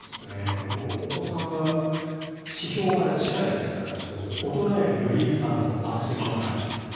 あと、お子さんは地表から近いですから大人より、より暑いと。